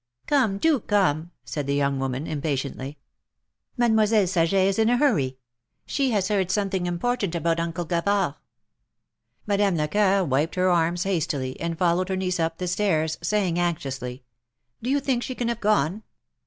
Come, do come," said the young woman, impatiently. Mademoiselle Saget is in a hurry. She has heard some thing important about Uncle Gavard." Madame Lecoeur wiped her arms hastily, and followed her niece up the stairs, saying, anxiously : Do you think she can have gone